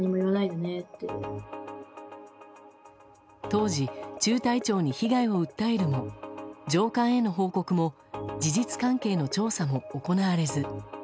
当時、中隊長に被害を訴えるも上官への報告も事実関係の調査も行われず。